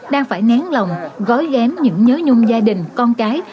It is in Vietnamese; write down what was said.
đang phải nén lòng gói ghém những nhớ nhung gia đình con cái